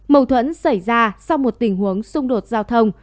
mâu thuẫn xảy ra sau một tình huống xung đột giao thông